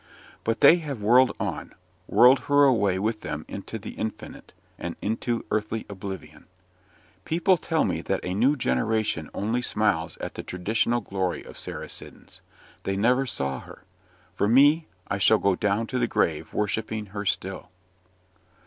But they have whirled on whirled her away with them into the infinite, and into earthly oblivion! People tell me that a new generation only smiles at the traditional glory of Sarah Siddons. They never saw her. For me, I shall go down to the grave worshipping her still.